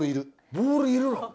ボールいるの！？